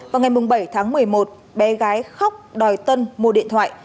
vào ngày bảy tháng một mươi một bé gái khóc đòi tân mua điện thoại